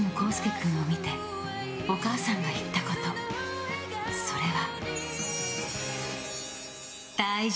君を見てお母さんが言ったこと、それは。